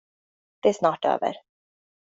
Det är snart över.